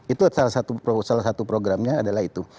itu salah satu programnya adalah itu